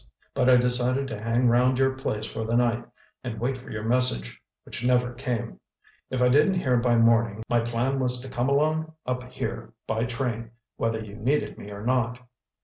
But I decided to hang round your place for the night and wait for your message—which never came. If I didn't hear by morning, my plan was to come along up here by train, whether you needed me or not."